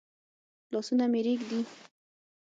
لاسونه مي رېږدي ؟